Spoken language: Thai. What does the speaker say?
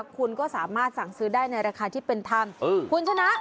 คุณก็สามารถสั่งซื้อได้ในราคาที่เป็นธรรมคุณชนะ